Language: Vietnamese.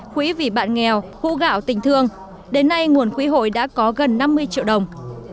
quỹ vì bạn nghèo khu gạo tình thương đến nay nguồn quỹ hội đã có gần năm mươi triệu đồng